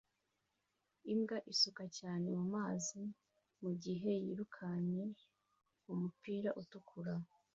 Imbwa isuka cyane mumazi mugihe yirukanye umupira utukura